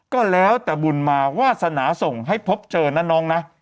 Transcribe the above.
ก็แล้วแต่บุญมาวาสนาส่งให้พบเจอนะน้องนะ